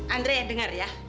andre dengar ya